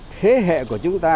thế hệ của chúng ta